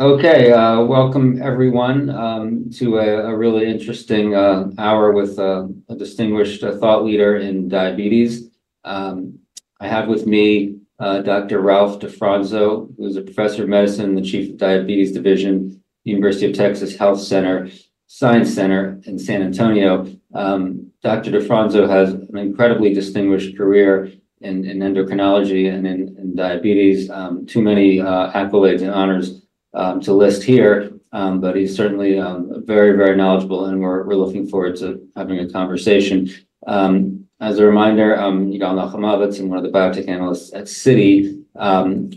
Okay, welcome everyone to a really interesting hour with a distinguished thought leader in diabetes. I have with me Dr. Ralph DeFronzo, who is a Professor of Medicine and the Chief of the Diabetes Division, University of Texas Health Science Center in San Antonio. Dr. DeFronzo has an incredibly distinguished career in endocrinology and in diabetes. Too many accolades and honors to list here, but he's certainly very, very knowledgeable, and we're looking forward to having a conversation. As a reminder, Yigal Nochomovitz, one of the Biotech Analysts at Citi.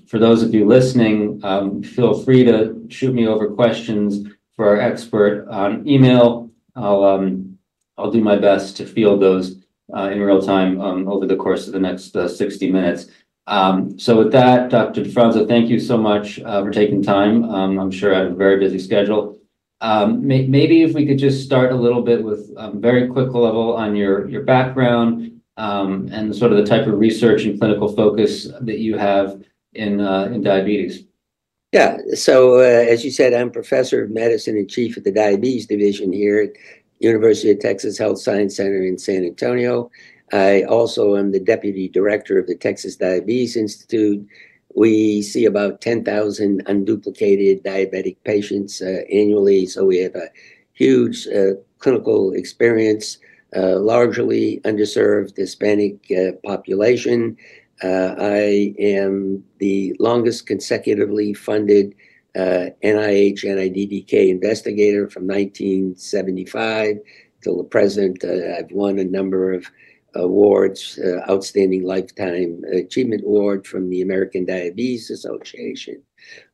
For those of you listening, feel free to shoot me over questions for our expert on email. I'll do my best to field those in real time over the course of the next 60 minutes. With that, Dr. DeFronzo, thank you so much for taking time. I'm sure you have a very busy schedule. Maybe if we could just start a little bit with a very quick level on your background and sort of the type of research and clinical focus that you have in diabetes. Yeah, so as you said, I'm Professor of Medicine and Chief of the Diabetes Division here at University of Texas Health Science Center in San Antonio. I also am the Deputy Director of the Texas Diabetes Institute. We see about 10,000 unduplicated diabetic patients annually, so we have a huge clinical experience, largely underserved Hispanic population. I am the longest consecutively funded NIH NIDDK investigator from 1975 till the present. I've won a number of awards, Outstanding Lifetime Achievement Award from the American Diabetes Association,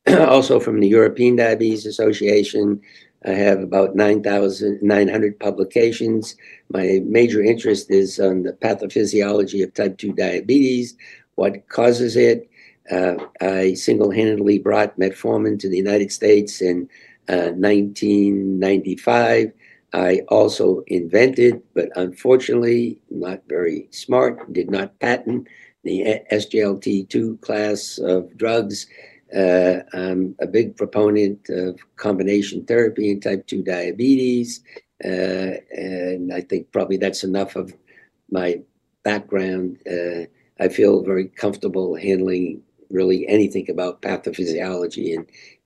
also from the European Diabetes Association. I have about 9,900 publications. My major interest is on the pathophysiology of type 2 diabetes, what causes it. I single-handedly brought metformin to the United States in 1995. I also invented, but unfortunately not very smart, did not patent the SGLT2 class of drugs. I'm a big proponent of combination therapy in type 2 diabetes. I think probably that's enough of my background. I feel very comfortable handling really anything about pathophysiology and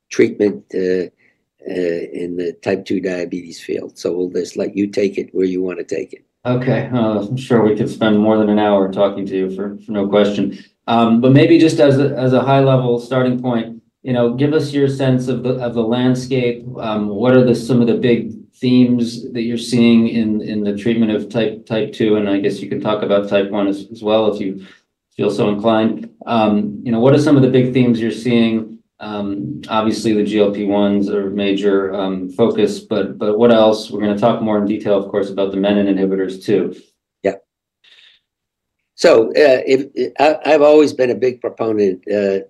treatment in the type 2 diabetes field. We'll just let you take it where you want to take it. Okay, I'm sure we could spend more than an hour talking to you for no question. Maybe just as a high-level starting point, give us your sense of the landscape. What are some of the big themes that you're seeing in the treatment of type 2? I guess you could talk about type 1 as well if you feel so inclined. What are some of the big themes you're seeing? Obviously, the GLP-1s are a major focus, but what else? We're going to talk more in detail, of course, about the menin inhibitors too. Yeah. I've always been a big proponent that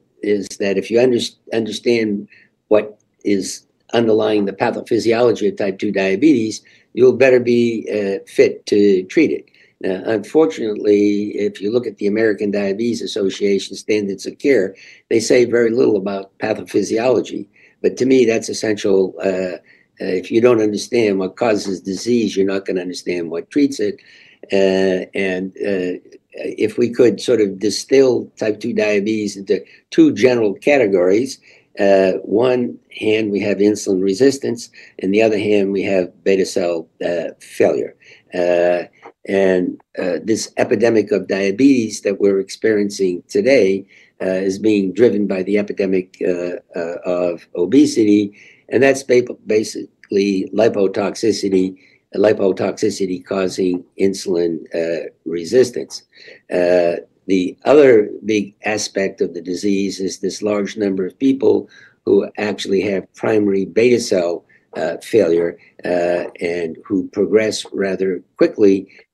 if you understand what is underlying the pathophysiology of type 2 diabetes, you'll better be fit to treat it. Unfortunately, if you look at the American Diabetes Association Standards of Care, they say very little about pathophysiology. To me, that's essential. If you don't understand what causes disease, you're not going to understand what treats it. If we could sort of distill type 2 diabetes into two general categories, one hand we have insulin resistance, and the other hand we have beta cell failure. This epidemic of diabetes that we're experiencing today is being driven by the epidemic of obesity, and that's basically lipotoxicity, lipotoxicity causing insulin resistance. The other big aspect of the disease is this large number of people who actually have primary beta cell failure and who progress rather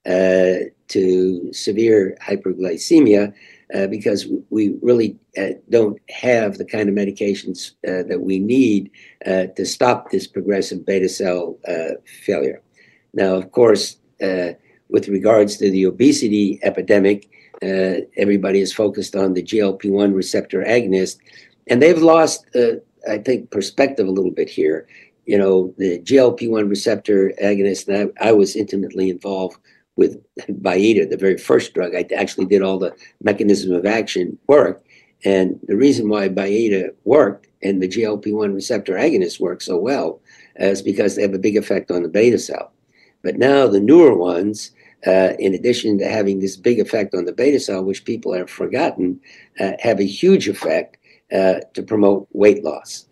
quickly to severe hyperglycemia because we really don't have the kind of medications that we need to stop this progressive beta cell failure. Now, of course, with regards to the obesity epidemic, everybody is focused on the GLP-1 receptor agonist, and they've lost, I think, perspective a little bit here. The GLP-1 receptor agonist, I was intimately involved with Byetta, the very first drug. I actually did all the mechanism of action work. The reason why Byetta worked and the GLP-1 receptor agonist worked so well is because they have a big effect on the beta cell. Now the newer ones, in addition to having this big effect on the beta cell, which people have forgotten, have a huge effect to promote weight loss.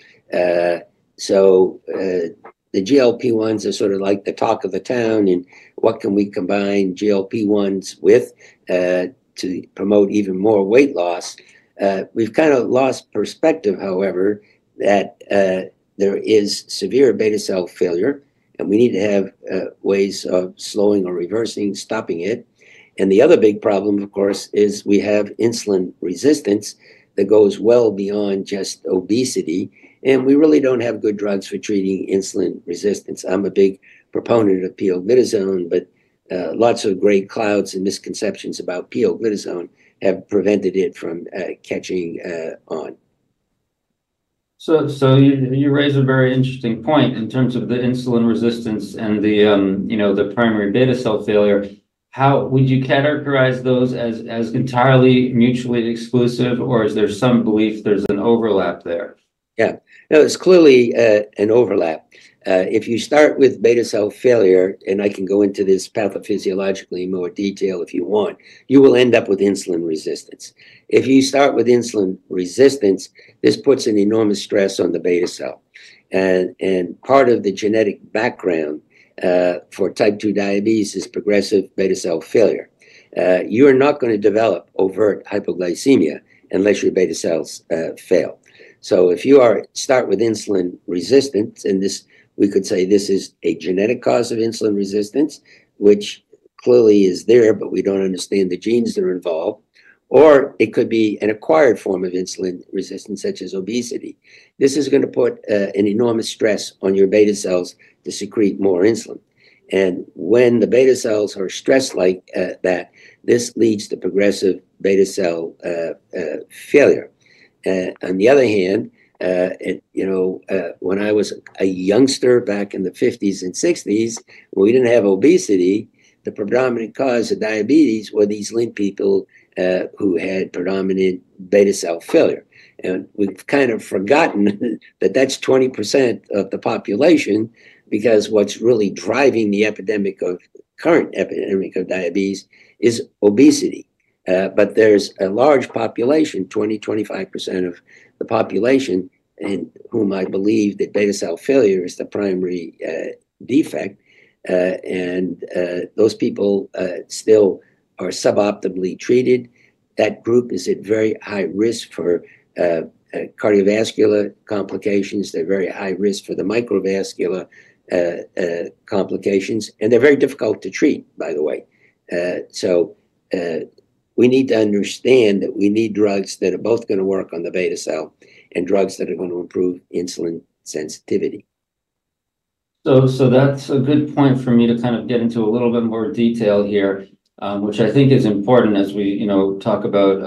The GLP-1s are sort of like the talk of the town and what can we combine GLP-1s with to promote even more weight loss. We've kind of lost perspective, however, that there is severe beta cell failure and we need to have ways of slowing or reversing stopping it. The other big problem, of course, is we have insulin resistance that goes well beyond just obesity, and we really don't have good drugs for treating insulin resistance. I'm a big proponent of pioglitazone, but lots of great clouds and misconceptions about pioglitazone have prevented it from catching on. You raise a very interesting point in terms of the insulin resistance and the primary beta cell failure. Would you categorize those as entirely mutually exclusive, or is there some belief there's an overlap there? Yeah, it's clearly an overlap. If you start with beta cell failure, and I can go into this pathophysiologically in more detail if you want, you will end up with insulin resistance. If you start with insulin resistance, this puts an enormous stress on the beta cell. Part of the genetic background for type 2 diabetes is progressive beta cell failure. You are not going to develop overt hypoglycemia unless your beta cells fail. If you start with insulin resistance, and we could say this is a genetic cause of insulin resistance, which clearly is there, but we do not understand the genes that are involved, or it could be an acquired form of insulin resistance such as obesity. This is going to put an enormous stress on your beta cells to secrete more insulin. When the beta cells are stressed like that, this leads to progressive beta cell failure. On the other hand, when I was a youngster back in the 1950s and 1960s, when we did not have obesity, the predominant cause of diabetes were these lean people who had predominant beta cell failure. We have kind of forgotten that that is 20% of the population because what is really driving the current epidemic of diabetes is obesity. There is a large population, 20%-25% of the population, in whom I believe that beta cell failure is the primary defect. Those people still are suboptimally treated. That group is at very high risk for cardiovascular complications. They are very high risk for the microvascular complications, and they are very difficult to treat, by the way. We need to understand that we need drugs that are both going to work on the beta cell and drugs that are going to improve insulin sensitivity. That's a good point for me to kind of get into a little bit more detail here, which I think is important as we talk about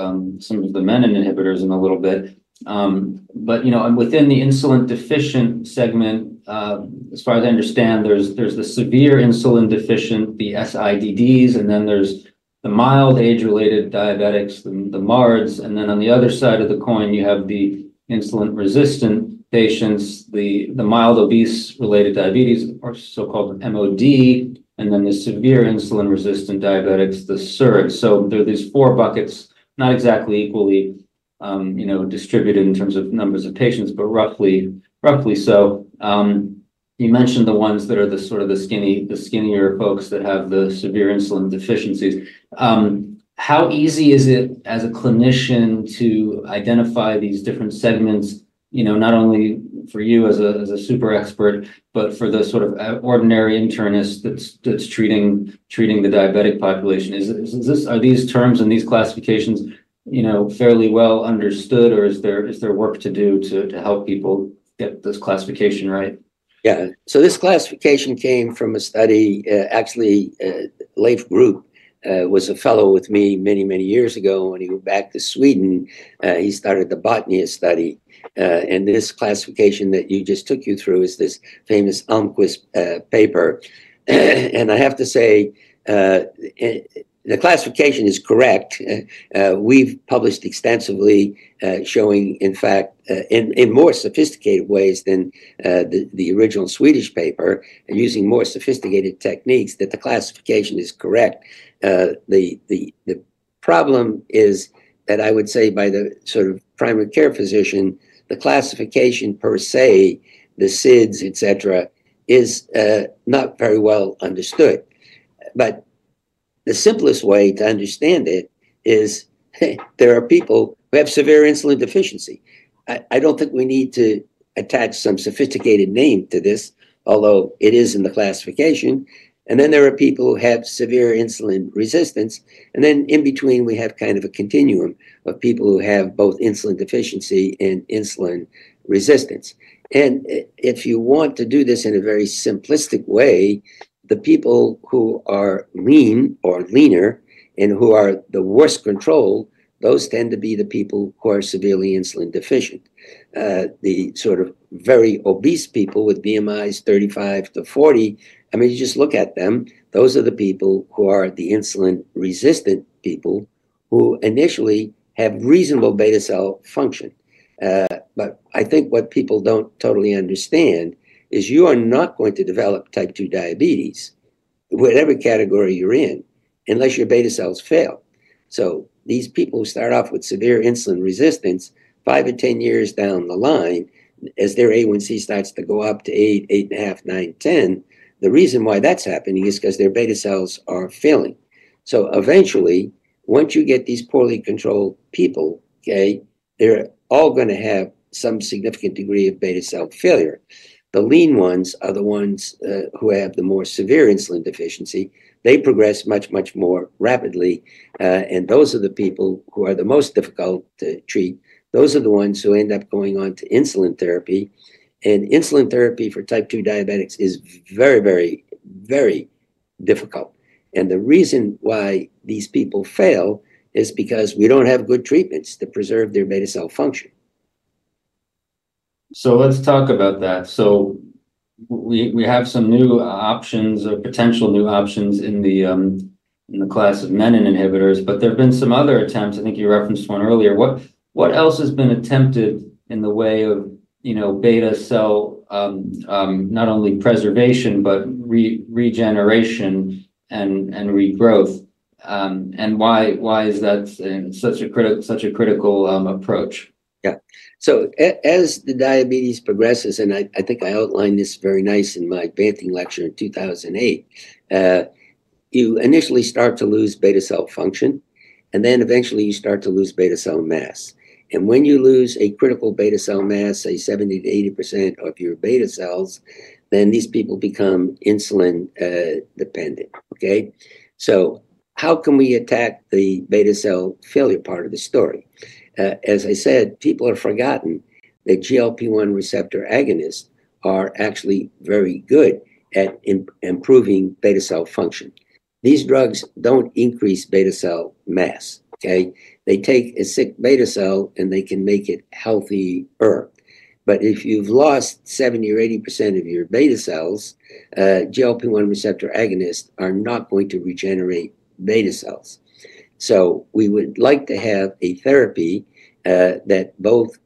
some of the menin inhibitors in a little bit. Within the insulin deficient segment, as far as I understand, there's the severe insulin deficient, the SIDDs, and then there's the mild age-related diabetics, the MARDs. On the other side of the coin, you have the insulin resistant patients, the mild obese-related diabetes, or so-called MOD, and then the severe insulin resistant diabetics, the SIRD. There are these four buckets, not exactly equally distributed in terms of numbers of patients, but roughly so. You mentioned the ones that are sort of the skinnier folks that have the severe insulin deficiencies. How easy is it as a clinician to identify these different segments, not only for you as a super expert, but for the sort of ordinary internist that's treating the diabetic population? Are these terms and these classifications fairly well understood, or is there work to do to help people get this classification right? Yeah, so this classification came from a study. Actually, Leif Groop was a fellow with me many, many years ago, and he went back to Sweden. He started the Botnia study. This classification that you just took you through is this famous Ahlqvist paper. I have to say, the classification is correct. We've published extensively showing, in fact, in more sophisticated ways than the original Swedish paper, and using more sophisticated techniques that the classification is correct. The problem is that I would say by the sort of primary care physician, the classification per se, the SIDD, et cetera, is not very well understood. The simplest way to understand it is there are people who have severe insulin deficiency. I don't think we need to attach some sophisticated name to this, although it is in the classification. There are people who have severe insulin resistance. In between, we have kind of a continuum of people who have both insulin deficiency and insulin resistance. If you want to do this in a very simplistic way, the people who are lean or leaner and who are the worst control, those tend to be the people who are severely insulin deficient. The sort of very obese people with BMIs 35-40, I mean, you just look at them. Those are the people who are the insulin resistant people who initially have reasonable beta cell function. I think what people do not totally understand is you are not going to develop type 2 diabetes, whatever category you are in, unless your beta cells fail. These people who start off with severe insulin resistance, five to 10 years down the line, as their A1C starts to go up to eight, 8.5,nine, 10, the reason why that's happening is because their beta cells are failing. Eventually, once you get these poorly controlled people, they're all going to have some significant degree of beta cell failure. The lean ones are the ones who have the more severe insulin deficiency. They progress much, much more rapidly. Those are the people who are the most difficult to treat. Those are the ones who end up going on to insulin therapy. Insulin therapy for type 2 diabetics is very, very, very difficult. The reason why these people fail is because we don't have good treatments to preserve their beta cell function. Let's talk about that. We have some new options or potential new options in the class of menin inhibitors, but there have been some other attempts. I think you referenced one earlier. What else has been attempted in the way of beta cell, not only preservation, but regeneration and regrowth? Why is that such a critical approach? Yeah. As the diabetes progresses, and I think I outlined this very nicely in my advancing lecture in 2008, you initially start to lose beta cell function, and then eventually you start to lose beta cell mass. When you lose a critical beta cell mass, say 70%-80% of your beta cells, then these people become insulin dependent. Okay? How can we attack the beta cell failure part of the story? As I said, people have forgotten that GLP-1 receptor agonists are actually very good at improving beta cell function. These drugs do not increase beta cell mass. They take a sick beta cell and they can make it healthier. If you have lost 70% or 80% of your beta cells, GLP-1 receptor agonists are not going to regenerate beta cells. We would like to have a therapy that both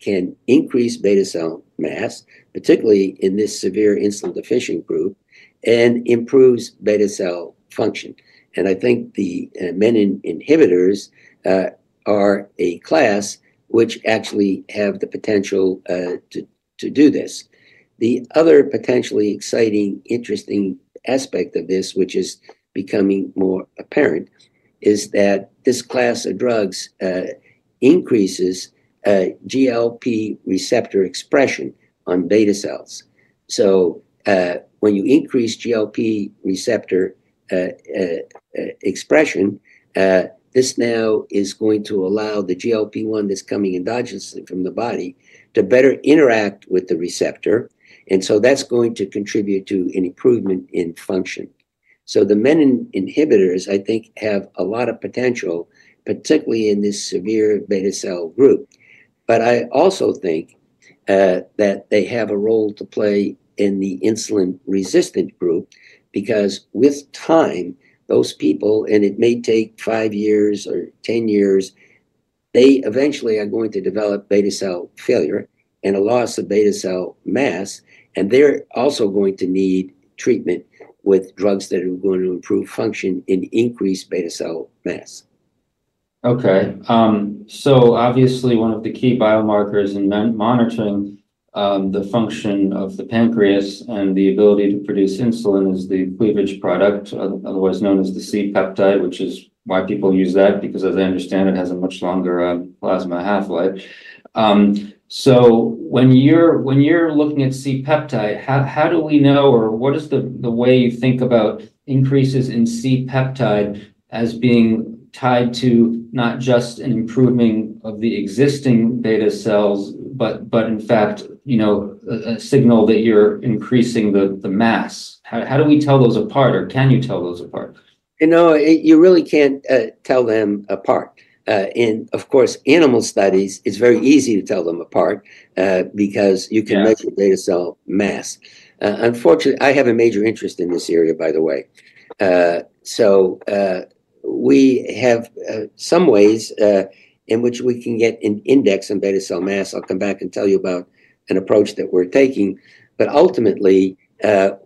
can increase beta cell mass, particularly in this severe insulin deficient group, and improves beta cell function. I think the menin inhibitors are a class which actually have the potential to do this. The other potentially exciting, interesting aspect of this, which is becoming more apparent, is that this class of drugs increases GLP-1 receptor expression on beta cells. When you increase GLP-1 receptor expression, this now is going to allow the GLP-1 that's coming endogenously from the body to better interact with the receptor. That's going to contribute to an improvement in function. The menin inhibitors, I think, have a lot of potential, particularly in this severe beta cell group. I also think that they have a role to play in the insulin resistant group because with time, those people, and it may take five years or ten years, they eventually are going to develop beta cell failure and a loss of beta cell mass. They are also going to need treatment with drugs that are going to improve function and increase beta cell mass. Okay. Obviously, one of the key biomarkers in monitoring the function of the pancreas and the ability to produce insulin is the cleavage product, otherwise known as the C-peptide, which is why people use that because, as I understand, it has a much longer plasma half-life. When you're looking at C-peptide, how do we know, or what is the way you think about increases in C-peptide as being tied to not just an improvement of the existing beta cells, but in fact, a signal that you're increasing the mass? How do we tell those apart, or can you tell those apart? You know, you really can't tell them apart. Of course, animal studies, it's very easy to tell them apart because you can measure beta cell mass. Unfortunately, I have a major interest in this area, by the way. We have some ways in which we can get an index on beta cell mass. I'll come back and tell you about an approach that we're taking. Ultimately,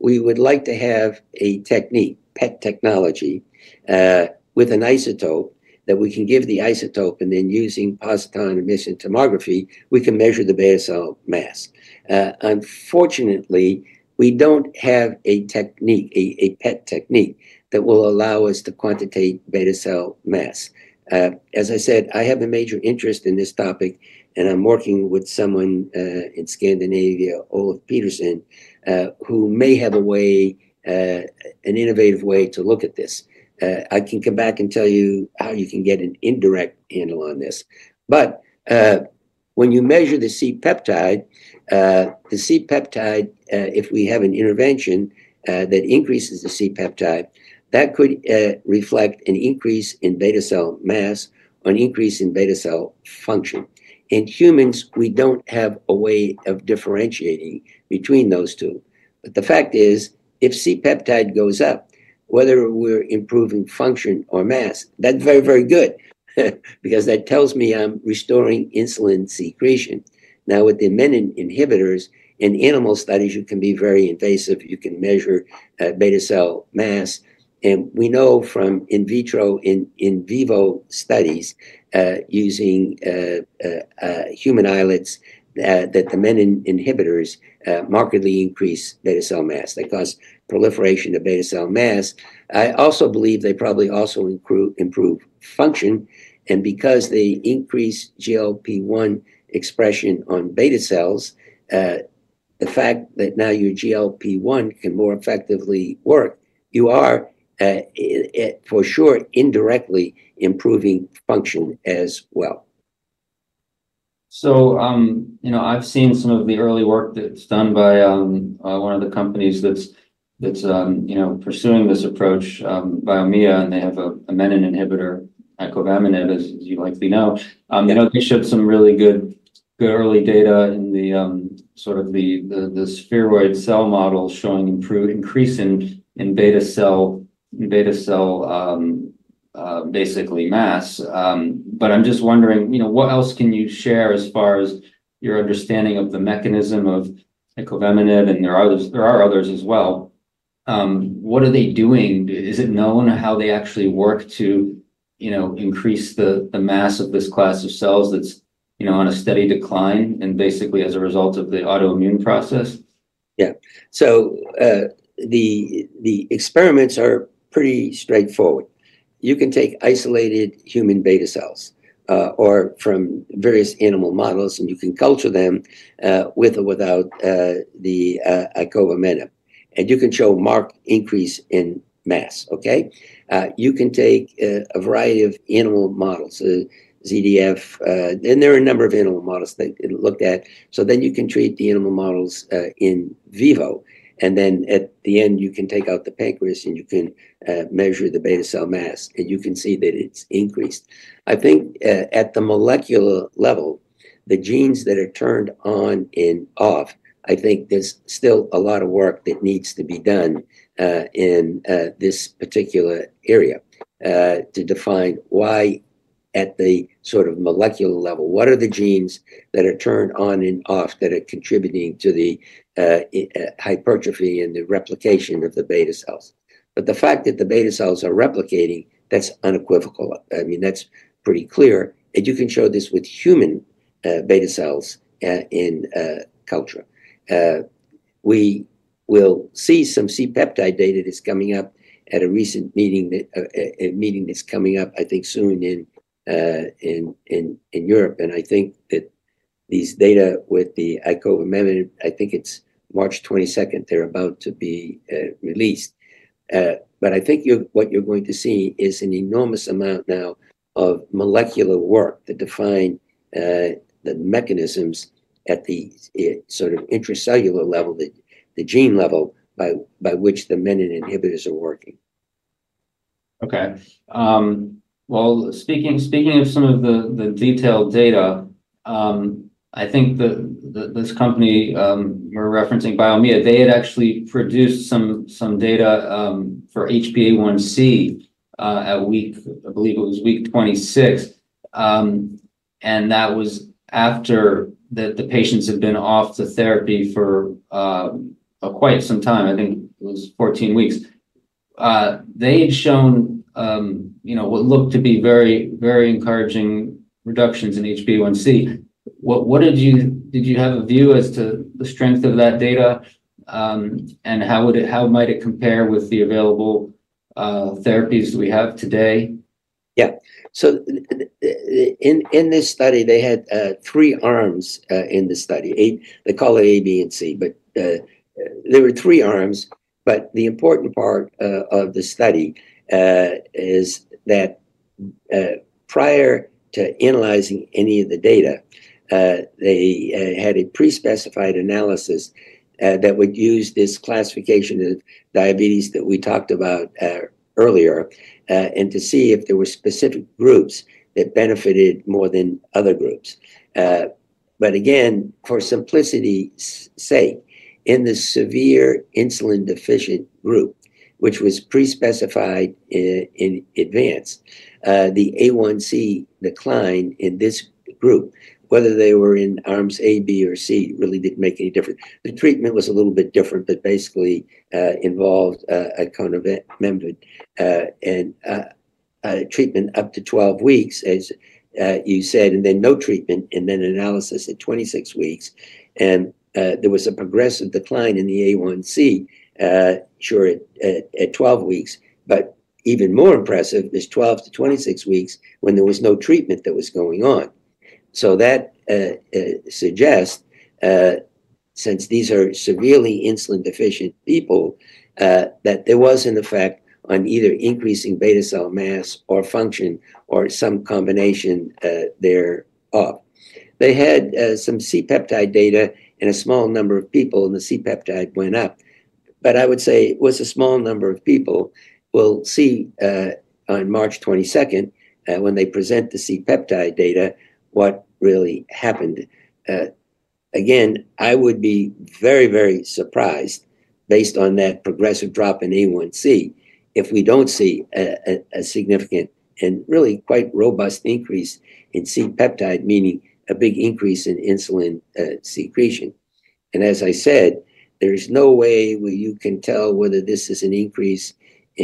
we would like to have a technique, PET technology, with an isotope that we can give the isotope, and then using positron emission tomography, we can measure the beta cell mass. Unfortunately, we don't have a technique, a PET technique that will allow us to quantitate beta cell mass. As I said, I have a major interest in this topic, and I'm working with someone in Scandinavia, Oluf Pedersen, who may have an innovative way to look at this. I can come back and tell you how you can get an indirect handle on this. When you measure the C-peptide, the C-peptide, if we have an intervention that increases the C-peptide, that could reflect an increase in beta cell mass or an increase in beta cell function. In humans, we do not have a way of differentiating between those two. The fact is, if C-peptide goes up, whether we are improving function or mass, that is very, very good because that tells me I am restoring insulin secretion. Now, with the menin inhibitors, in animal studies, you can be very invasive. You can measure beta cell mass. We know from in vitro and in vivo studies using human islets that the menin inhibitors markedly increase beta cell mass. They cause proliferation of beta cell mass. I also believe they probably also improve function. Because they increase GLP-1 expression on beta cells, the fact that now your GLP-1 can more effectively work, you are for sure indirectly improving function as well. I've seen some of the early work that's done by one of the companies that's pursuing this approach, Biomea, and they have a menin inhibitor, icovamenib, as you likely know. They showed some really good early data in sort of the spheroid cell model showing increase in beta cell, basically mass. I'm just wondering, what else can you share as far as your understanding of the mechanism of icovamenib, and there are others as well? What are they doing? Is it known how they actually work to increase the mass of this class of cells that's on a steady decline and basically as a result of the autoimmune process? Yeah. The experiments are pretty straightforward. You can take isolated human beta cells or from various animal models, and you can culture them with or without the icovamenib. You can show marked increase in mass. Okay? You can take a variety of animal models, ZDF, and there are a number of animal models that looked at. You can treat the animal models in vivo. At the end, you can take out the pancreas, and you can measure the beta cell mass, and you can see that it's increased. I think at the molecular level, the genes that are turned on and off, I think there's still a lot of work that needs to be done in this particular area to define why at the sort of molecular level, what are the genes that are turned on and off that are contributing to the hypertrophy and the replication of the beta cells? The fact that the beta cells are replicating, that's unequivocal. I mean, that's pretty clear. You can show this with human beta cells in culture. We will see some C-peptide data that's coming up at a recent meeting, a meeting that's coming up, I think, soon in Europe. I think that these data with the icovamenib, I think it's March 22nd, they're about to be released. I think what you're going to see is an enormous amount now of molecular work that define the mechanisms at the sort of intracellular level, the gene level by which the menin inhibitors are working. Okay. Speaking of some of the detailed data, I think this company we're referencing, Biomea Fusion, they had actually produced some data for HbA1c at week, I believe it was week 26. That was after the patients had been off the therapy for quite some time. I think it was 14 weeks. They had shown what looked to be very, very encouraging reductions in HbA1c. What did you have a view as to the strength of that data? How might it compare with the available therapies we have today? Yeah. In this study, they had three arms in the study. They call it A, B, and C. There were three arms. The important part of the study is that prior to analyzing any of the data, they had a pre-specified analysis that would use this classification of diabetes that we talked about earlier to see if there were specific groups that benefited more than other groups. Again, for simplicity's sake, in the severe insulin deficient group, which was pre-specified in advance, the A1C decline in this group, whether they were in arms A, B, or C, really did not make any difference. The treatment was a little bit different, but basically involved icovamenib. Treatment up to 12 weeks, as you said, and then no treatment, and then analysis at 26 weeks. There was a progressive decline in the A1C, sure, at 12 weeks, but even more impressive is 12 to 26 weeks when there was no treatment that was going on. That suggests, since these are severely insulin deficient people, that there was, in effect, on either increasing beta cell mass or function or some combination thereof. They had some C-peptide data, and a small number of people in the C-peptide went up. I would say it was a small number of people. We'll see on March 22, when they present the C-peptide data, what really happened. Again, I would be very, very surprised based on that progressive drop in A1C if we don't see a significant and really quite robust increase in C-peptide, meaning a big increase in insulin secretion. As I said, there is no way where you can tell whether this is an increase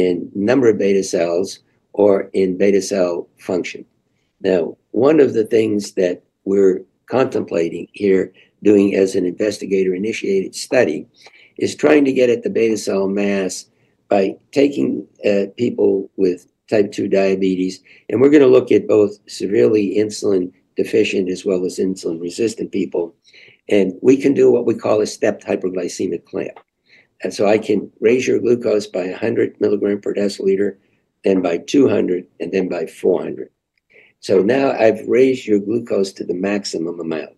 in number of beta cells or in beta cell function. One of the things that we're contemplating here, doing as an investigator-initiated study, is trying to get at the beta cell mass by taking people with type 2 diabetes. We're going to look at both severely insulin deficient as well as insulin resistant people. We can do what we call a stepped hyperglycemic clamp. I can raise your glucose by 100mg per deciliter, then by 200, and then by 400. Now I've raised your glucose to the maximum amount.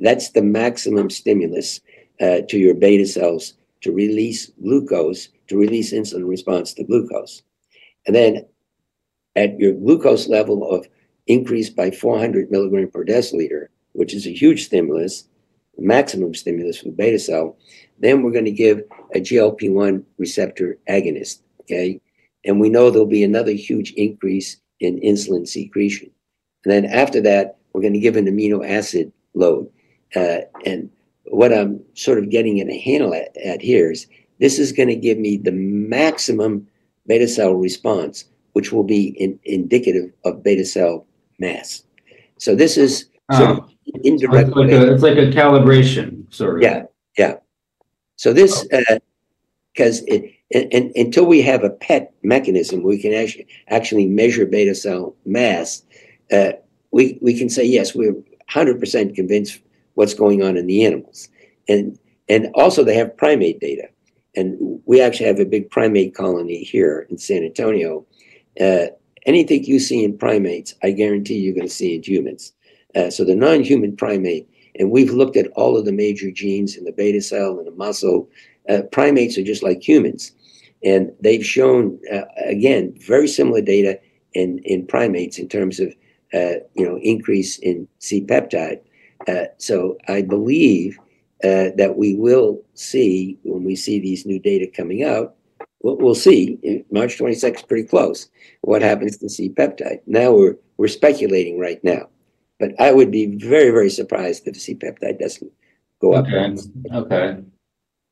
That's the maximum stimulus to your beta cells to release insulin in response to glucose. At your glucose level increased by 400mg per deciliter, which is a huge stimulus, maximum stimulus for beta cell, we are going to give a GLP-1 receptor agonist. Okay? We know there will be another huge increase in insulin secretion. After that, we are going to give an amino acid load. What I am sort of getting at here is this is going to give me the maximum beta cell response, which will be indicative of beta cell mass. This is sort of indirectly. It's like a calibration, sort of. Yeah. Yeah. This, because until we have a PET mechanism, we can actually measure beta cell mass, we can say, yes, we're 100% convinced what's going on in the animals. Also, they have primate data. We actually have a big primate colony here in San Antonio. Anything you see in primates, I guarantee you're going to see in humans. The non-human primate, and we've looked at all of the major genes in the beta cell and the muscle. Primates are just like humans. They've shown, again, very similar data in primates in terms of increase in C-peptide. I believe that we will see when we see these new data coming out, we'll see March 26, pretty close, what happens to C-peptide. Now we're speculating right now. I would be very, very surprised if the C-peptide doesn't go up. Okay. Okay.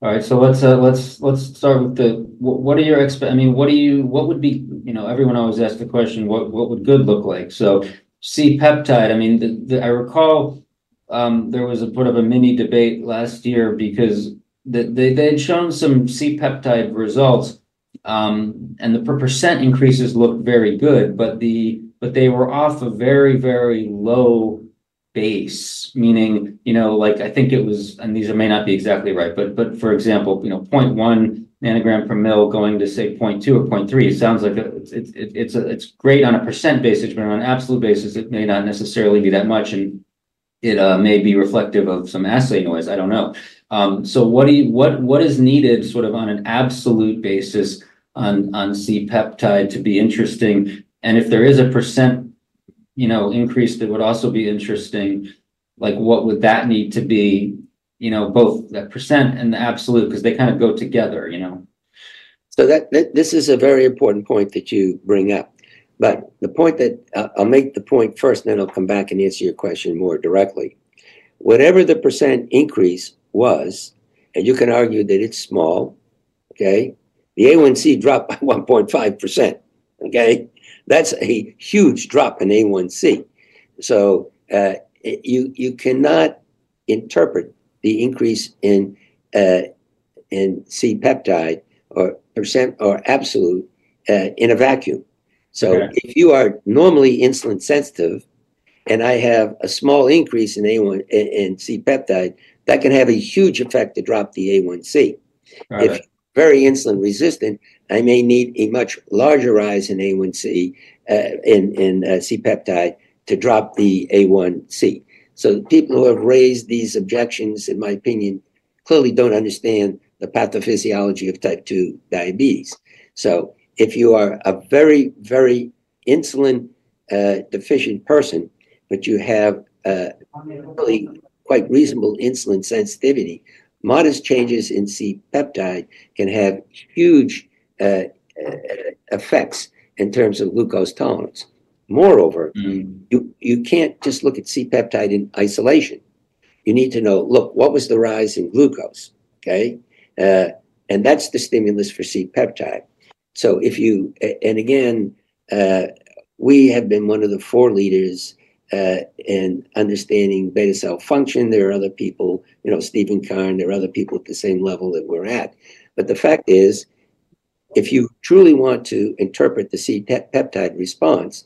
All right. Let's start with the, what are your, I mean, what would be, everyone always asks the question, what would good look like? C-peptide, I mean, I recall there was sort of a mini debate last year because they had shown some C-peptide results, and the % increases looked very good, but they were off a very, very low base, meaning I think it was, and these may not be exactly right, but for example, 0.1 nanogram per mil going to, say, 0.2 or 0.3. It sounds like it's great on a percent basis, but on an absolute basis, it may not necessarily be that much, and it may be reflective of some assay noise. I don't know. What is needed sort of on an absolute basis on C-peptide to be interesting? If there is a percent increase, that would also be interesting. What would that need to be, both that percent and the absolute? Because they kind of go together. This is a very important point that you bring up. The point that I'll make, the point first, then I'll come back and answer your question more directly. Whatever the percent increase was, and you can argue that it's small, the A1C dropped by 1.5%. That's a huge drop in A1C. You cannot interpret the increase in C-peptide or percent or absolute in a vacuum. If you are normally insulin sensitive, and I have a small increase in C-peptide, that can have a huge effect to drop the A1C. If you're very insulin resistant, I may need a much larger rise in A1C and C-peptide to drop the A1C. People who have raised these objections, in my opinion, clearly don't understand the pathophysiology of type 2 diabetes. If you are a very, very insulin deficient person, but you have really quite reasonable insulin sensitivity, modest changes in C-peptide can have huge effects in terms of glucose tolerance. Moreover, you can't just look at C-peptide in isolation. You need to know, look, what was the rise in glucose? Okay? And that's the stimulus for C-peptide. If you, and again, we have been one of the foreleaders in understanding beta cell function. There are other people, Steven Kahn, there are other people at the same level that we're at. The fact is, if you truly want to interpret the C-peptide response,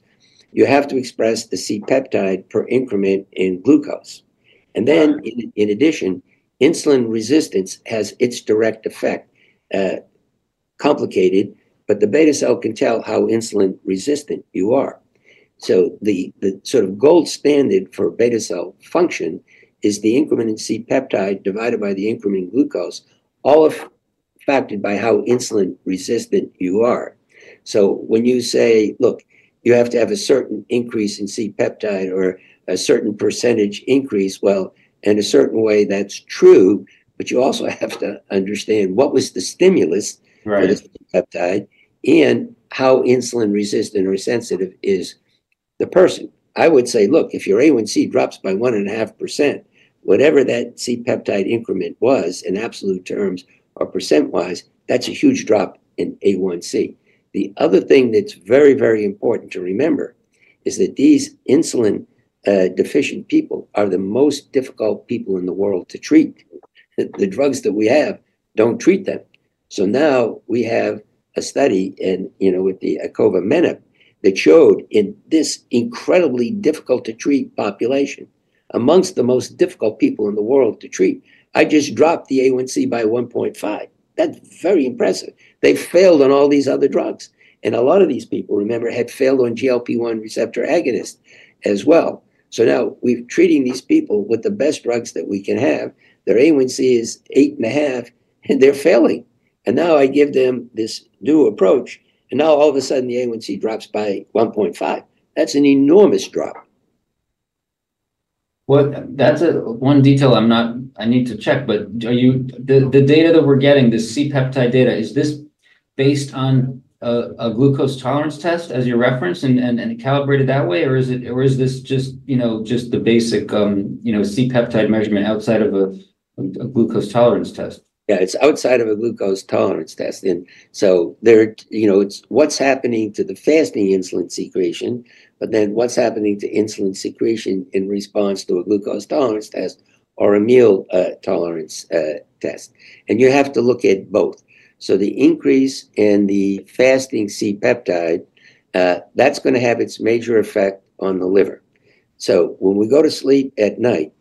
you have to express the C-peptide per increment in glucose. In addition, insulin resistance has its direct effect, complicated, but the beta cell can tell how insulin resistant you are. The sort of gold standard for beta cell function is the increment in C-peptide divided by the increment in glucose, all affected by how insulin resistant you are. When you say, look, you have to have a certain increase in C-peptide or a certain percentage increase, in a certain way, that's true, but you also have to understand what was the stimulus for this C-peptide and how insulin resistant or sensitive is the person. I would say, look, if your A1C drops by 1.5%, whatever that C-peptide increment was in absolute terms or percent-wise, that's a huge drop in A1C. The other thing that's very, very important to remember is that these insulin deficient people are the most difficult people in the world to treat. The drugs that we have don't treat them. Now we have a study with the icovamenib that showed in this incredibly difficult-to-treat population, amongst the most difficult people in the world to treat, I just dropped the A1C by 1.5. That's very impressive. They failed on all these other drugs. A lot of these people, remember, had failed on GLP-1 receptor agonist as well. Now we're treating these people with the best drugs that we can have. Their A1C is 8.5, and they're failing. Now I give them this new approach, and now all of a sudden, the A1C drops by 1.5. That's an enormous drop. That's one detail I need to check, but the data that we're getting, the C-peptide data, is this based on a glucose tolerance test as you referenced and calibrated that way? Or is this just the basic C-peptide measurement outside of a glucose tolerance test? Yeah, it's outside of a glucose tolerance test. It's what's happening to the fasting insulin secretion, but then what's happening to insulin secretion in response to a glucose tolerance test or a meal tolerance test. You have to look at both. The increase in the fasting C-peptide, that's going to have its major effect on the liver. When we go to sleep at night,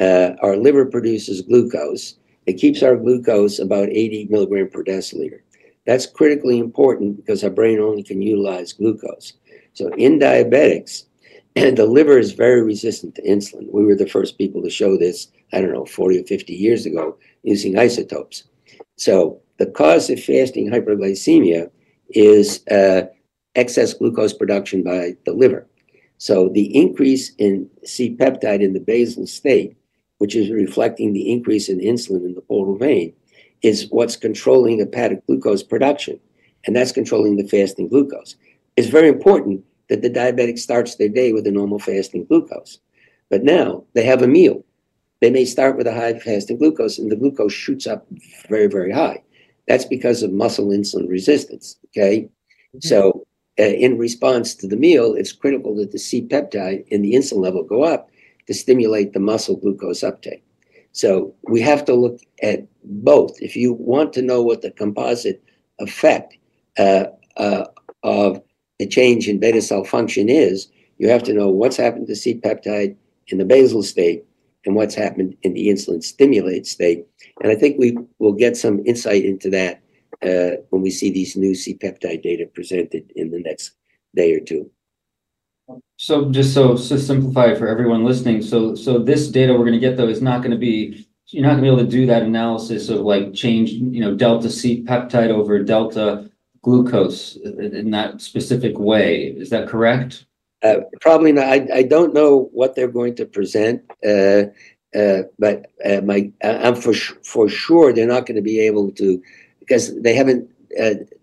our liver produces glucose. It keeps our glucose about 80mg per deciliter. That's critically important because our brain only can utilize glucose. In diabetics, the liver is very resistant to insulin. We were the first people to show this, I don't know, 40 or 50 years ago using isotopes. The cause of fasting hyperglycemia is excess glucose production by the liver. The increase in C-peptide in the basal state, which is reflecting the increase in insulin in the portal vein, is what's controlling hepatic glucose production. That's controlling the fasting glucose. It's very important that the diabetic starts their day with a normal fasting glucose. Now they have a meal. They may start with a high fasting glucose, and the glucose shoots up very, very high. That's because of muscle insulin resistance. Okay? In response to the meal, it's critical that the C-peptide and the insulin level go up to stimulate the muscle glucose uptake. We have to look at both. If you want to know what the composite effect of the change in beta cell function is, you have to know what's happened to C-peptide in the basal state and what's happened in the insulin stimulate state. I think we will get some insight into that when we see these new C-peptide data presented in the next day or two. Just to simplify for everyone listening, this data we're going to get, though, is not going to be, you're not going to be able to do that analysis of change delta C-peptide over delta glucose in that specific way. Is that correct? Probably not. I don't know what they're going to present, but I'm for sure they're not going to be able to, because they haven't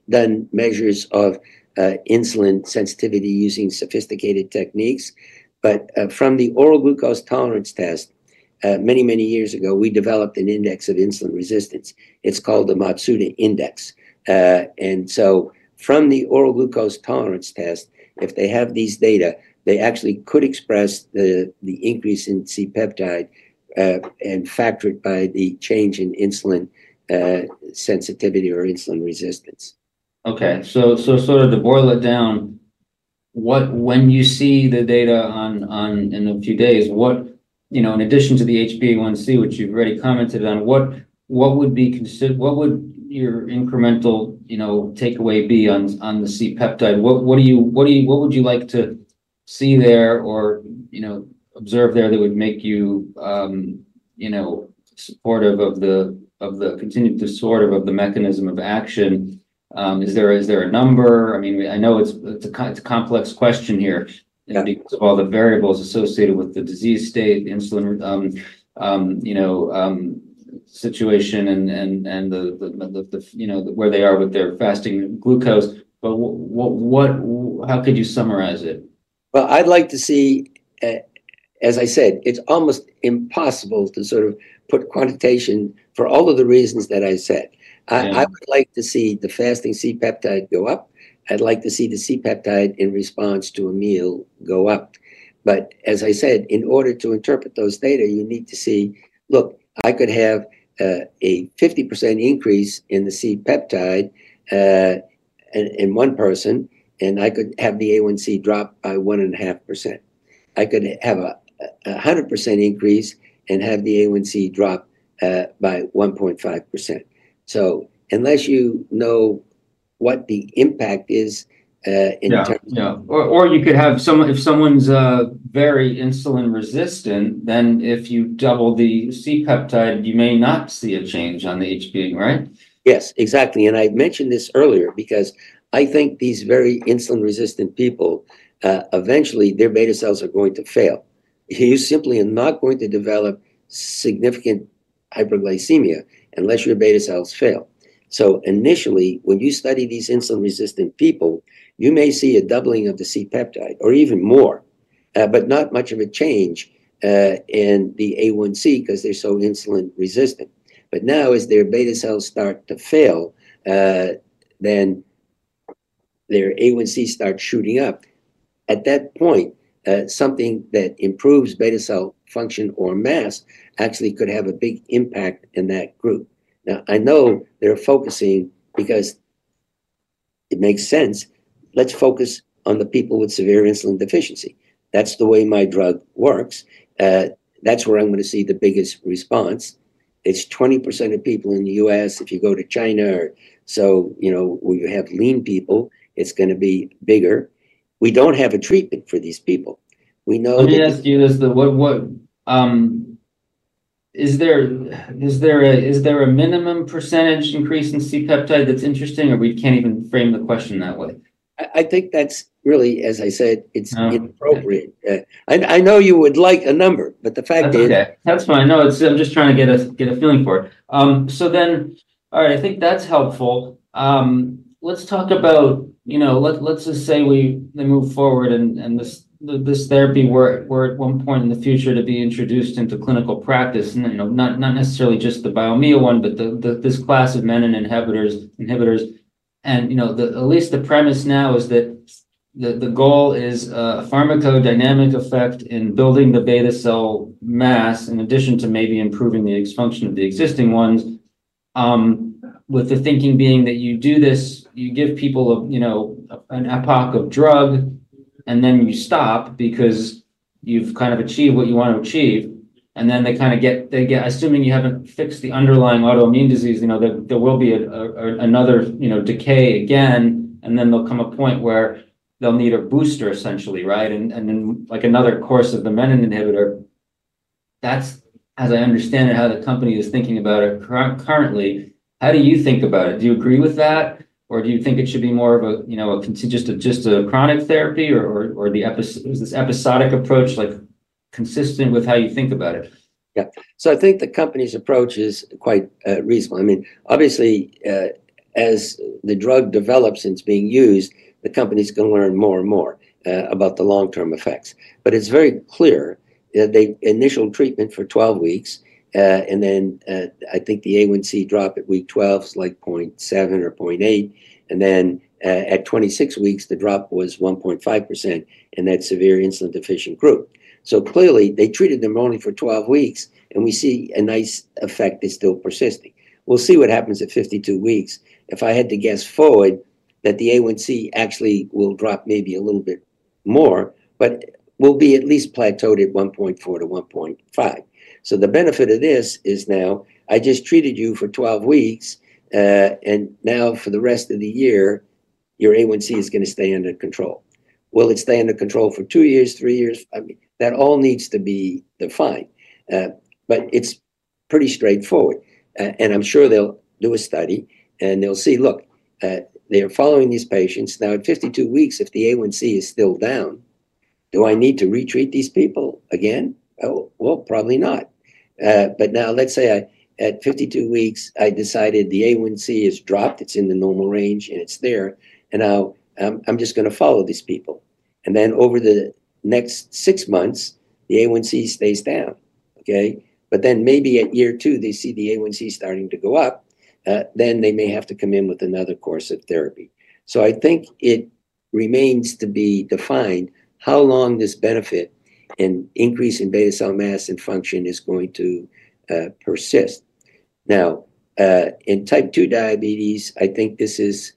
done measures of insulin sensitivity using sophisticated techniques. From the oral glucose tolerance test, many, many years ago, we developed an index of insulin resistance. It's called the Matsuda Index. From the oral glucose tolerance test, if they have these data, they actually could express the increase in C-peptide and factor it by the change in insulin sensitivity or insulin resistance. Okay. To sort of boil it down, when you see the data in a few days, in addition to the HbA1c, which you've already commented on, what would your incremental takeaway be on the C-peptide? What would you like to see there or observe there that would make you supportive of the continued disorder of the mechanism of action? Is there a number? I mean, I know it's a complex question here because of all the variables associated with the disease state, insulin situation, and where they are with their fasting glucose. How could you summarize it? I would like to see, as I said, it's almost impossible to sort of put quantitation for all of the reasons that I said. I would like to see the fasting C-peptide go up. I'd like to see the C-peptide in response to a meal go up. As I said, in order to interpret those data, you need to see, look, I could have a 50% increase in the C-peptide in one person, and I could have the A1C drop by 1.5%. I could have a 100% increase and have the A1C drop by 1.5%. Unless you know what the impact is in terms of. You could have someone who's very insulin resistant, then if you double the C-peptide, you may not see a change on the HbA1c, right? Yes, exactly. I mentioned this earlier because I think these very insulin resistant people, eventually, their beta cells are going to fail. You simply are not going to develop significant hyperglycemia unless your beta cells fail. Initially, when you study these insulin resistant people, you may see a doubling of the C-peptide or even more, but not much of a change in the A1C because they're so insulin resistant. Now, as their beta cells start to fail, their A1C starts shooting up. At that point, something that improves beta cell function or mass actually could have a big impact in that group. I know they're focusing because it makes sense. Let's focus on the people with severe insulin deficiency. That's the way my drug works. That's where I'm going to see the biggest response. It's 20% of people in the U.S. If you go to China, you have lean people, it's going to be bigger. We don't have a treatment for these people. We know. Let me ask you this. Is there a minimum percentage increase in C-peptide that's interesting, or we can't even frame the question that way? I think that's really, as I said, it's inappropriate. I know you would like a number, but the fact is. Okay. That's fine. No, I'm just trying to get a feeling for it. All right, I think that's helpful. Let's talk about, let's just say we move forward and this therapy were at one point in the future to be introduced into clinical practice, not necessarily just the Biomea one, but this class of menin inhibitors. At least the premise now is that the goal is a pharmacodynamic effect in building the beta cell mass in addition to maybe improving the function of the existing ones, with the thinking being that you do this, you give people an epoch of drug, and then you stop because you've kind of achieved what you want to achieve. They kind of get, assuming you haven't fixed the underlying autoimmune disease, there will be another decay again, and then there'll come a point where they'll need a booster, essentially, right? Then like another course of the menin inhibitor. That's, as I understand it, how the company is thinking about it currently. How do you think about it? Do you agree with that? Or do you think it should be more of just a chronic therapy or is this episodic approach consistent with how you think about it? Yeah. I think the company's approach is quite reasonable. I mean, obviously, as the drug develops and it's being used, the company's going to learn more and more about the long-term effects. It is very clear that the initial treatment for 12 weeks, and then I think the A1C drop at week 12 is like 0.7 or 0.8. At 26 weeks, the drop was 1.5% in that severe insulin deficient group. Clearly, they treated them only for 12 weeks, and we see a nice effect is still persisting. We'll see what happens at 52 weeks. If I had to guess forward, the A1C actually will drop maybe a little bit more, but will be at least plateaued at 1.4%-1.5%. The benefit of this is now I just treated you for 12 weeks, and now for the rest of the year, your A1C is going to stay under control. Will it stay under control for two years, three years? I mean, that all needs to be defined. It is pretty straightforward. I'm sure they'll do a study and they'll see, look, they're following these patients. Now at 52 weeks, if the A1C is still down, do I need to retreat these people again? Probably not. Now let's say at 52 weeks, I decided the A1C has dropped, it's in the normal range, and it's there. I'm just going to follow these people. Then over the next six months, the A1C stays down. Okay? Then maybe at year two, they see the A1C starting to go up, then they may have to come in with another course of therapy. I think it remains to be defined how long this benefit and increase in beta cell mass and function is going to persist. Now, in type 2 diabetes, I think this is,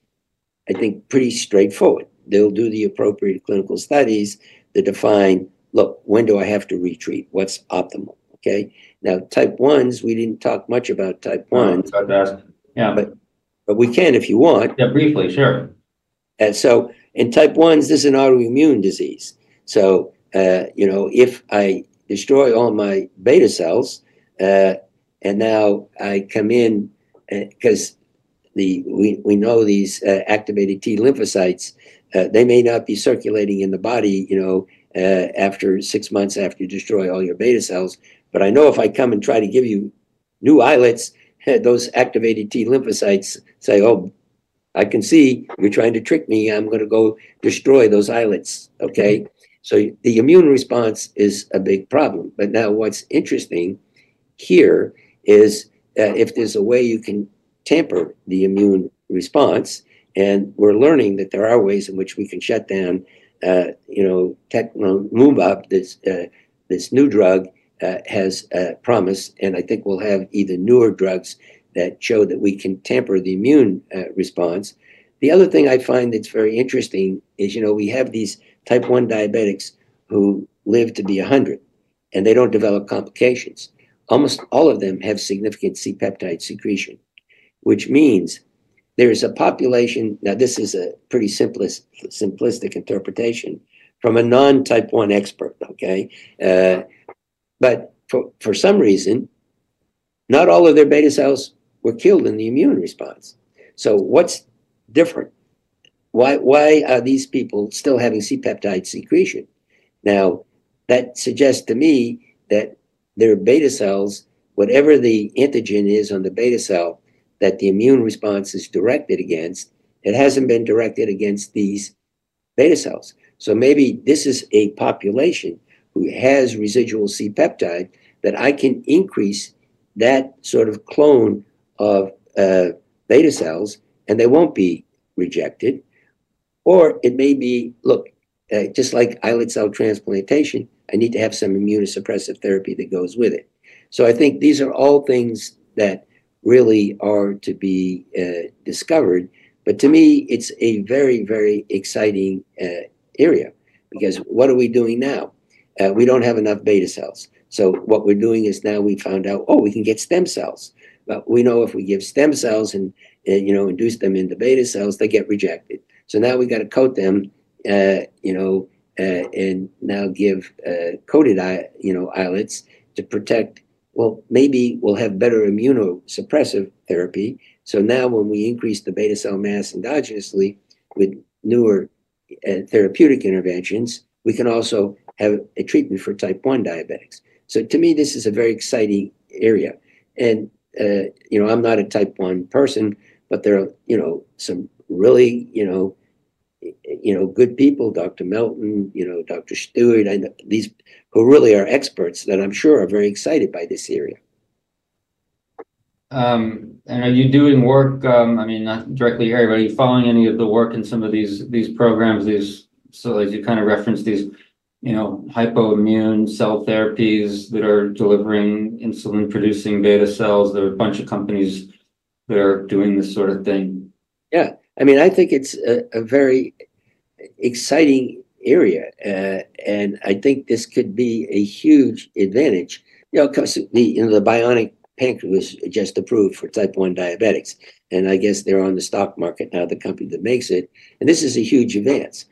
I think, pretty straightforward. They'll do the appropriate clinical studies that define, look, when do I have to retreat? What's optimal? Okay? Now, type 1s, we didn't talk much about type 1. I'm sorry to ask. Yeah. We can if you want. Yeah, briefly, sure. In type 1s, this is an autoimmune disease. If I destroy all my beta cells and now I come in because we know these activated T-lymphocytes, they may not be circulating in the body after six months after you destroy all your beta cells. I know if I come and try to give you new islets, those activated T-lymphocytes say, "Oh, I can see you're trying to trick me. I'm going to go destroy those islets." The immune response is a big problem. What is interesting here is if there's a way you can temper the immune response, and we're learning that there are ways in which we can shut down, move up this new drug has promise, and I think we'll have even newer drugs that show that we can temper the immune response. The other thing I find that's very interesting is we have these type 1 diabetics who live to be 100, and they don't develop complications. Almost all of them have significant C-peptide secretion, which means there is a population, now this is a pretty simplistic interpretation from a non-type 1 expert, okay? For some reason, not all of their beta cells were killed in the immune response. What's different? Why are these people still having C-peptide secretion? That suggests to me that their beta cells, whatever the antigen is on the beta cell that the immune response is directed against, it hasn't been directed against these beta cells. Maybe this is a population who has residual C-peptide that I can increase that sort of clone of beta cells, and they won't be rejected. It may be, look, just like islet cell transplantation, I need to have some immunosuppressive therapy that goes with it. I think these are all things that really are to be discovered. To me, it's a very, very exciting area because what are we doing now? We don't have enough beta cells. What we're doing is now we found out, oh, we can get stem cells. We know if we give stem cells and induce them into beta cells, they get rejected. Now we've got to coat them and now give coated islets to protect. Maybe we'll have better immunosuppressive therapy. Now when we increase the beta cell mass endogenously with newer therapeutic interventions, we can also have a treatment for type 1 diabetics. To me, this is a very exciting area. I'm not a type 1 person, but there are some really good people, Dr. Melton, Dr. Stewart, these who really are experts that I'm sure are very excited by this area. Are you doing work, I mean, not directly here, but are you following any of the work in some of these programs, these facilities you kind of referenced, these hypoimmune cell therapies that are delivering insulin-producing beta cells? There are a bunch of companies that are doing this sort of thing. Yeah. I mean, I think it's a very exciting area. I think this could be a huge advantage. Of course, the Bionic Pancreas was just approved for type 1 diabetics. I guess they're on the stock market now, the company that makes it. This is a huge advance.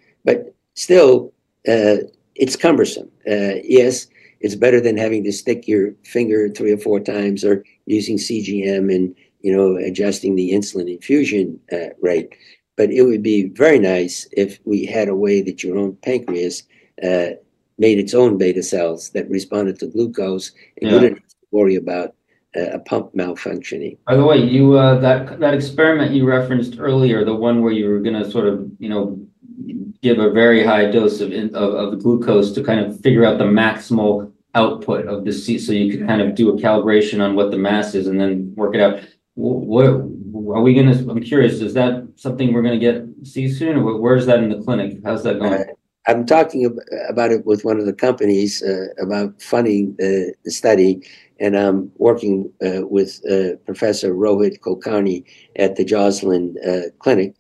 Still, it's cumbersome. Yes, it's better than having to stick your finger three or four times or using CGM and adjusting the insulin infusion rate. It would be very nice if we had a way that your own pancreas made its own beta cells that responded to glucose and wouldn't have to worry about a pump malfunctioning. By the way, that experiment you referenced earlier, the one where you were going to sort of give a very high dose of glucose to kind of figure out the maximal output of the C, so you could kind of do a calibration on what the mass is and then work it out. Are we going to, I'm curious, is that something we're going to get to see soon? Where is that in the clinic? How's that going? I'm talking about it with one of the companies about funding the study. I'm working with Professor Rohit Kulkarni at the Joslin Clinic.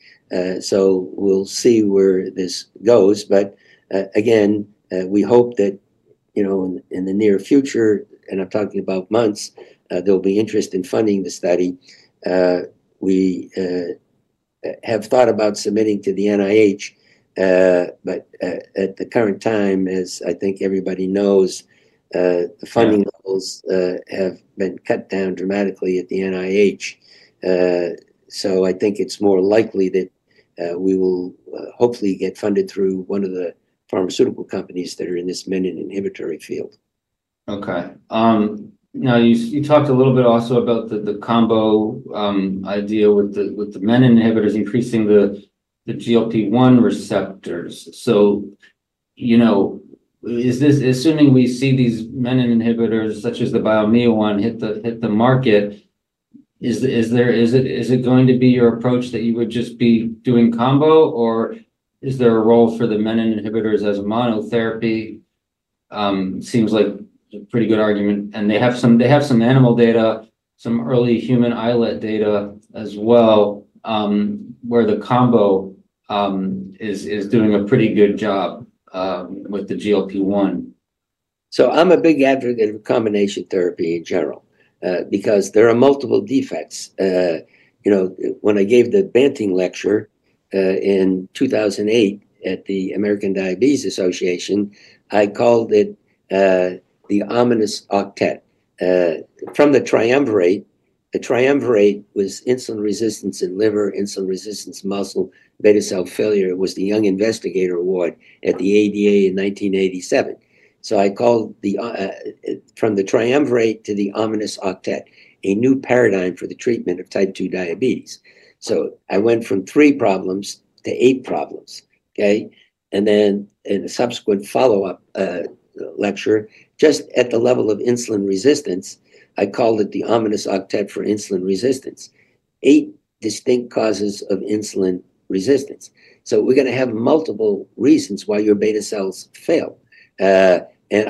We'll see where this goes. Again, we hope that in the near future, and I'm talking about months, there'll be interest in funding the study. We have thought about submitting to the NIH, but at the current time, as I think everybody knows, the funding levels have been cut down dramatically at the NIH. I think it's more likely that we will hopefully get funded through one of the pharmaceutical companies that are in this menin inhibitory field. Okay. Now, you talked a little bit also about the combo idea with the menin inhibitors increasing the GLP-1 receptors. Assuming we see these menin inhibitors such as the Biomea one hit the market, is it going to be your approach that you would just be doing combo, or is there a role for the menin inhibitors as a monotherapy? Seems like a pretty good argument. They have some animal data, some early human islet data as well, where the combo is doing a pretty good job with the GLP-1. I'm a big advocate of combination therapy in general because there are multiple defects. When I gave the Banting Lecture in 2008 at the American Diabetes Association, I called it the Ominous Octet. From the, the Triumvirate was insulin resistance in liver, insulin resistance muscle, beta cell failure. It was the Young Investigator Award at the ADA in 1987. I called from the Triumvirate to the Ominous Octet, a new paradigm for the treatment of type 2 diabetes. I went from three problems to eight problems. Okay? In a subsequent follow-up lecture, just at the level of insulin resistance, I called it the Ominous Octet for insulin resistance. Eight distinct causes of insulin resistance. We're going to have multiple reasons why your beta cells fail. I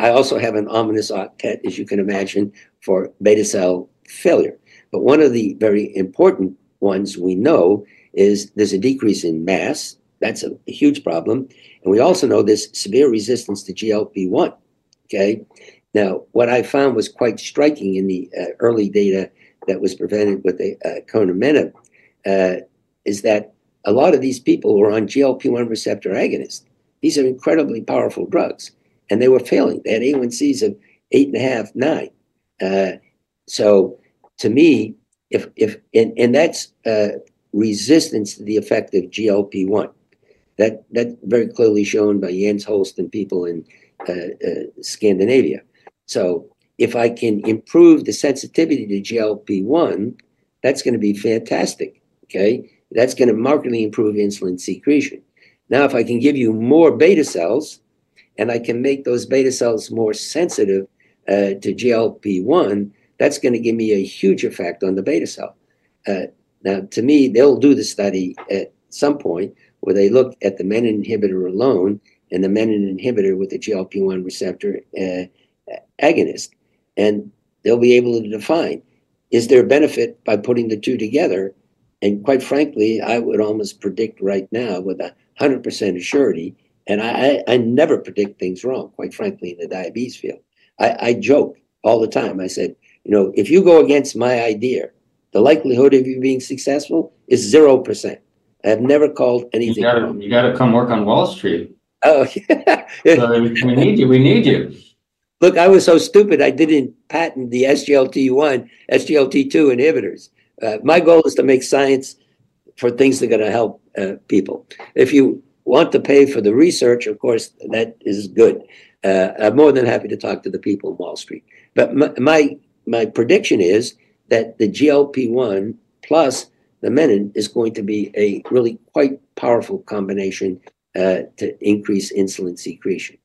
also have an Ominous Octet, as you can imagine, for beta cell failure. One of the very important ones we know is there's a decrease in mass. That's a huge problem. We also know there's severe resistance to GLP-1. Okay? What I found was quite striking in the early data that was presented with the icovamenib is that a lot of these people were on GLP-1 receptor agonists. These are incredibly powerful drugs. They were failing. They had A1Cs of 8.5, 9. To me, that's resistance to the effect of GLP-1. That's very clearly shown by Jens Holst and people in Scandinavia. If I can improve the sensitivity to GLP-1, that's going to be fantastic. Okay? That's going to markedly improve insulin secretion. If I can give you more beta cells, and I can make those beta cells more sensitive to GLP-1, that's going to give me a huge effect on the beta cell. Now, to me, they'll do the study at some point where they look at the menin inhibitor alone and the menin inhibitor with the GLP-1 receptor agonist. They'll be able to define, is there a benefit by putting the two together? Quite frankly, I would almost predict right now with 100% assurity. I never predict things wrong, quite frankly, in the diabetes field. I joke all the time. I said, "If you go against my idea, the likelihood of you being successful is 0%." I have never called anything. You got to come work on Wall Street. Oh, yeah. We need you. We need you. Look, I was so stupid. I didn't patent the SGLT2 inhibitors. My goal is to make science for things that are going to help people. If you want to pay for the research, of course, that is good. I'm more than happy to talk to the people on Wall Street. My prediction is that the GLP-1 plus the menin is going to be a really quite powerful combination to increase insulin secretion.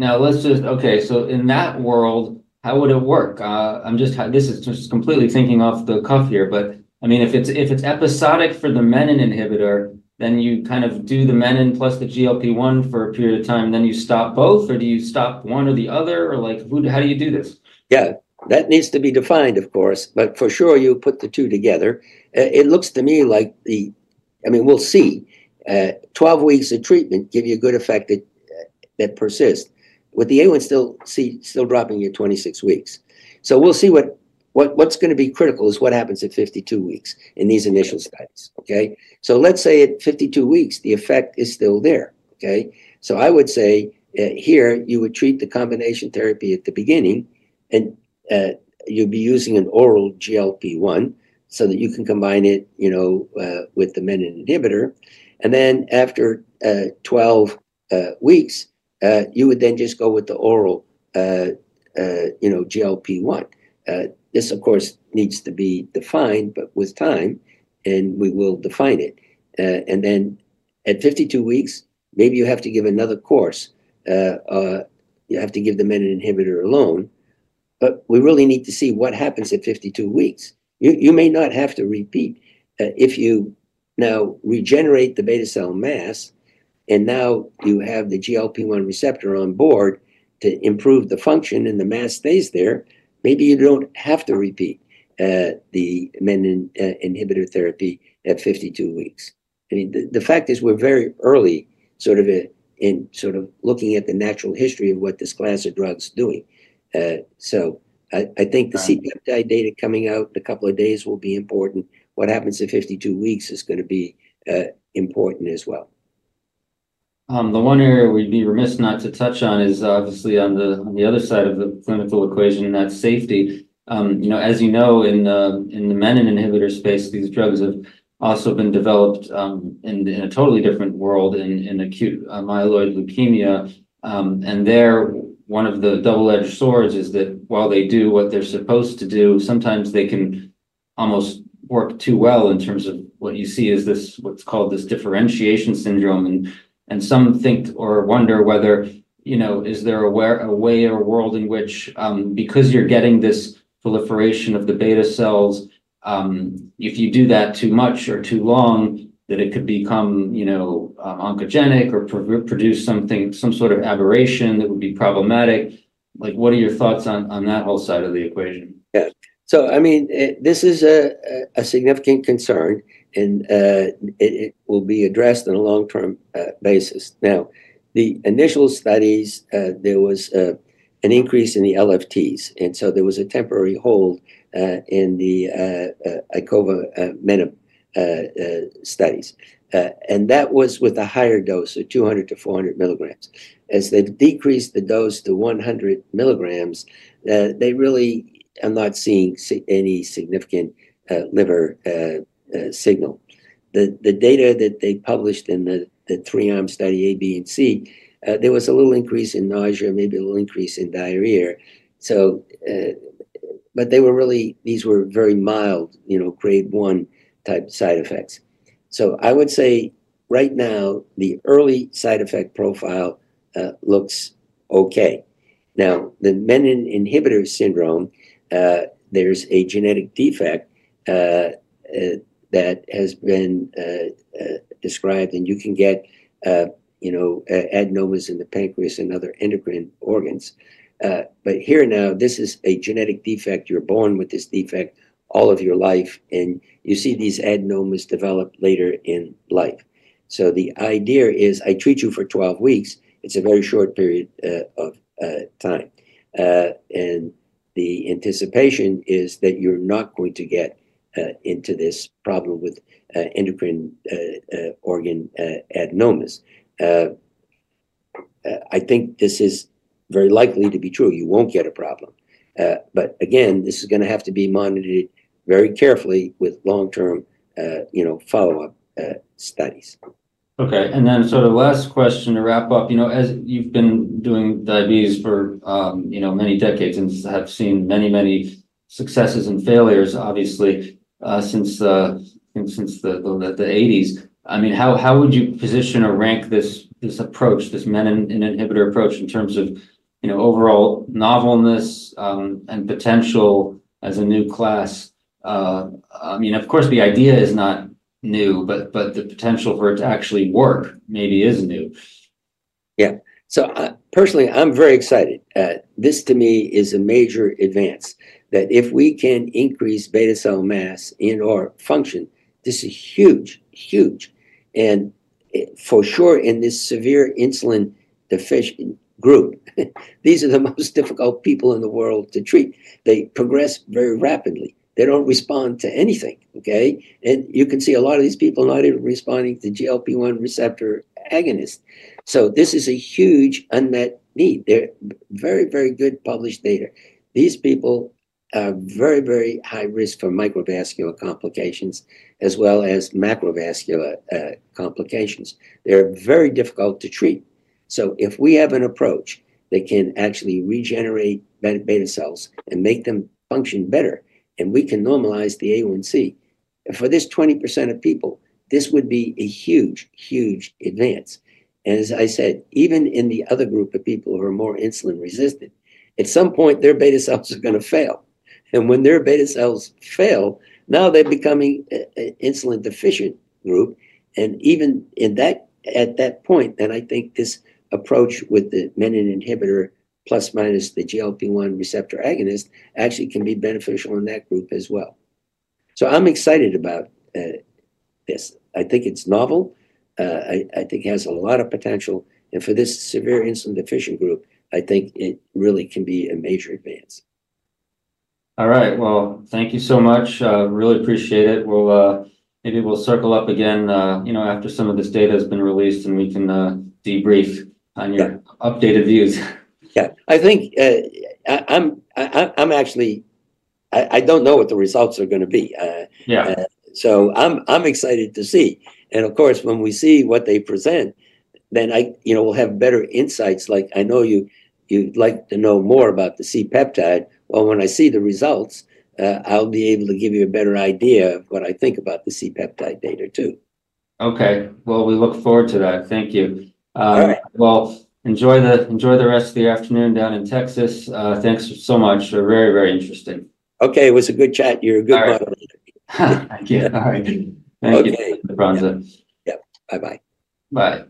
Now, let's just, okay, so in that world, how would it work? This is just completely thinking off the cuff here, but I mean, if it's episodic for the menin inhibitor, then you kind of do the menin plus the GLP-1 for a period of time, then you stop both, or do you stop one or the other? Or how do you do this? Yeah. That needs to be defined, of course. For sure, you put the two together. It looks to me like the, I mean, we'll see. 12 weeks of treatment give you a good effect that persists, with the A1C still dropping at 26 weeks. We'll see what is going to be critical is what happens at 52 weeks in these initial studies. Okay? Let's say at 52 weeks, the effect is still there. Okay? I would say here, you would treat the combination therapy at the beginning, and you'd be using an oral GLP-1 so that you can combine it with the menin inhibitor. After 12 weeks, you would then just go with the oral GLP-1. This, of course, needs to be defined, but with time, and we will define it. At 52 weeks, maybe you have to give another course. You have to give the menin inhibitor alone. I mean, we really need to see what happens at 52 weeks. You may not have to repeat. If you now regenerate the beta cell mass, and now you have the GLP-1 receptor on board to improve the function and the mass stays there, maybe you do not have to repeat the menin inhibitor therapy at 52 weeks. I mean, the fact is we are very early in sort of looking at the natural history of what this class of drugs is doing. I think the C-peptide data coming out in a couple of days will be important. What happens at 52 weeks is going to be important as well. The one area we'd be remiss not to touch on is obviously on the other side of the clinical equation, that's safety. As you know, in the menin inhibitor space, these drugs have also been developed in a totally different world in acute myeloid leukemia. There, one of the double-edged swords is that while they do what they're supposed to do, sometimes they can almost work too well in terms of what you see as what's called this differentiation syndrome. Some think or wonder whether is there a way or world in which, because you're getting this proliferation of the beta cells, if you do that too much or too long, that it could become oncogenic or produce some sort of aberration that would be problematic. What are your thoughts on that whole side of the equation? Yeah. I mean, this is a significant concern, and it will be addressed on a long-term basis. Now, the initial studies, there was an increase in the LFTs. There was a temporary hold in the icovamenib studies. That was with a higher dose of 200-400mg. As they've decreased the dose to 100mg, they really are not seeing any significant liver signal. The data that they published in the three arm study, A, B, and C, there was a little increase in nausea, maybe a little increase in diarrhea. These were very mild grade one type side effects. I would say right now, the early side effect profile looks okay. Now, the menin inhibitor syndrome, there's a genetic defect that has been described, and you can get adenomas in the pancreas and other endocrine organs. Here now, this is a genetic defect. You're born with this defect all of your life, and you see these adenomas develop later in life. The idea is I treat you for 12 weeks. It's a very short period of time. The anticipation is that you're not going to get into this problem with endocrine organ adenomas. I think this is very likely to be true. You won't get a problem. Again, this is going to have to be monitored very carefully with long-term follow-up studies. Okay. And then sort of last question to wrap up. You know, as you've been doing diabetes for many decades and have seen many, many successes and failures, obviously, since the 1980s, I mean, how would you position or rank this approach, this menin inhibitor approach in terms of overall novelness and potential as a new class? I mean, of course, the idea is not new, but the potential for it to actually work maybe is new. Yeah. Personally, I'm very excited. This to me is a major advance that if we can increase beta cell mass and function, this is huge, huge. For sure, in this severe insulin deficient group, these are the most difficult people in the world to treat. They progress very rapidly. They don't respond to anything. Okay? You can see a lot of these people not even responding to GLP-1 receptor agonists. This is a huge unmet need. There are very, very good published data. These people are very, very high risk for microvascular complications as well as macrovascular complications. They're very difficult to treat. If we have an approach that can actually regenerate beta cells and make them function better, and we can normalize the A1C for this 20% of people, this would be a huge, huge advance. As I said, even in the other group of people who are more insulin resistant, at some point, their beta cells are going to fail. When their beta cells fail, now they're becoming an insulin deficient group. Even at that point, I think this approach with the menin inhibitor plus minus the GLP-1 receptor agonist actually can be beneficial in that group as well. I am excited about this. I think it's novel. I think it has a lot of potential. For this severe insulin deficient group, I think it really can be a major advance. All right. Thank you so much. Really appreciate it. Maybe we'll circle up again after some of this data has been released, and we can debrief on your updated views. Yeah. I think I'm actually, I don't know what the results are going to be. I'm excited to see. Of course, when we see what they present, we'll have better insights. Like I know you'd like to know more about the C-peptide. When I see the results, I'll be able to give you a better idea of what I think about the C-peptide data too. Okay. We look forward to that. Thank you. Enjoy the rest of the afternoon down in Texas. Thanks so much. You're very, very interesting. Okay. It was a good chat. You're a good buzzer. Thank you. All right. Thank you, Dr. DeFronzo. Yep. Bye-bye. Bye.